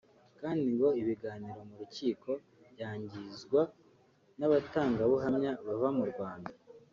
kandi ngo ibiganiro mu rukiko byangizwa n’abatangabuhamya bava mu Rwanda